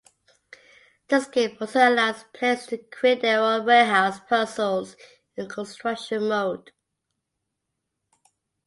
This game also allows players to create their own warehouse puzzles in "Construction" mode.